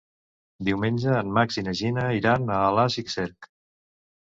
Diumenge en Max i na Gina iran a Alàs i Cerc.